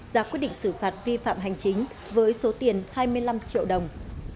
ra quyết định xử phạt vi phạm hành chính với số tiền hai mươi năm triệu đồng